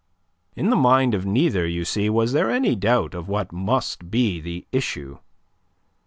In the mind of neither, you see, was there any doubt of what must be the issue.